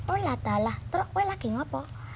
oh nggak tahu lah terus lagi ngopo